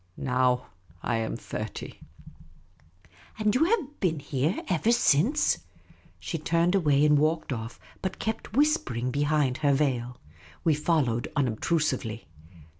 Now I am thirty." " And you have been here ever since ?" She turned away and walked off, but kept whispering be hind her veil. \Vc followed, unobtrusively.